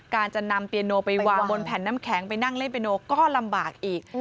การจะนำเปียโนไปวางบนแผ่นน้ำแข็งไปนั่งเล่นเปียโนก็ลำบากอีก